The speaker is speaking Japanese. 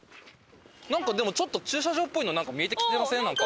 なんかでもちょっと駐車場っぽいの見えてきてません？